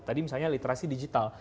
tadi misalnya literasi digital